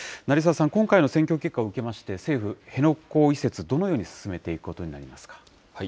成澤さん、今回の選挙結果を受けまして、政府、辺野古移設、どのように進めていくことになりますか。